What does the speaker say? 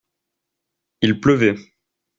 Il pleuvait.